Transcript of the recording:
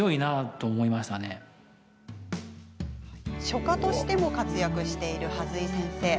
書家としても活躍している筈井先生。